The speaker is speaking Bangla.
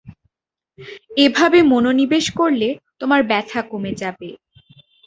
এভাবে মনোনিবেশ করলে তোমার ব্যাথা কমে যাবে।